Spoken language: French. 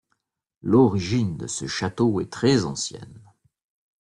L'origine de ce château est très ancienne.